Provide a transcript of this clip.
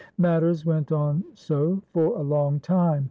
Matters went on so for a long time.